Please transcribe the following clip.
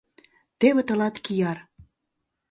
— Теве тылат кияр!